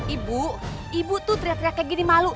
ibu ibu tuh teriak teriak kayak gini malu